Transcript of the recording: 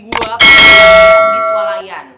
pada mobil di swalayan